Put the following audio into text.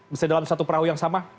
misalnya dalam satu perahu yang sama